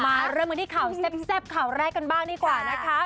มาเริ่มกันที่ข่าวแซ่บข่าวแรกกันบ้างดีกว่านะคะ